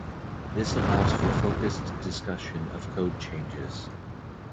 This allows for focused discussion of code changes.